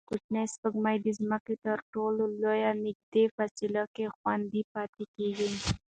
کوچنۍ سپوږمۍ د ځمکې تر ټولو نږدې فاصلو کې خوندي پاتې کېږي.